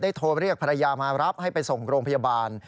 โทรเรียกภรรยามารับให้ไปส่งโรงพยาบาล